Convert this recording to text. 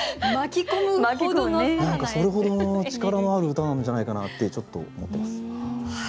何かそれほどの力のある歌なんじゃないかなってちょっと思ってます。